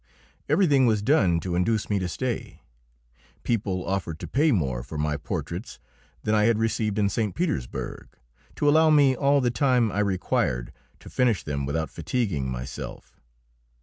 Everything was done to induce me to stay. People offered to pay more for my portraits than I had received in St. Petersburg to allow me all the time I required to finish them without fatiguing myself.